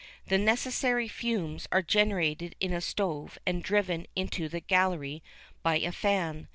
The necessary "fumes" are generated in a stove and driven into the gallery by a fan.